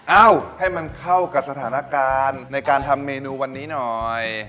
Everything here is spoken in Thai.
เอ้าให้มันเข้ากับสถานการณ์ในการทำเมนูวันนี้หน่อย